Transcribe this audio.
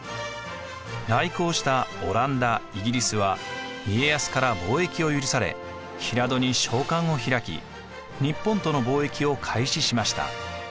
来航したオランダ・イギリスは家康から貿易を許され平戸に商館を開き日本との貿易を開始しました。